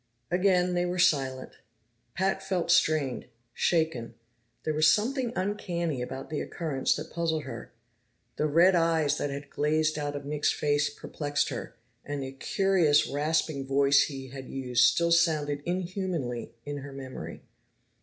Again they were silent. Pat felt strained, shaken; there was something uncanny about the occurrence that puzzled her. The red eyes that had glared out of Nick's face perplexed her, and the curious rasping voice he had used still sounded inhumanly in her memory.